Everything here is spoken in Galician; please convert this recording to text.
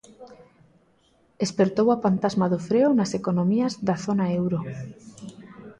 Espertou a pantasma do freo nas economías da zona euro.